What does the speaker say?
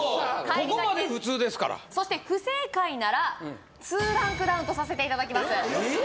ここまで普通ですからそして不正解なら２ランクダウンとさせていただきますえっ？